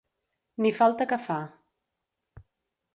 Ni falta que fa.